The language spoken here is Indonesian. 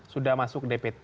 sudah masuk dpt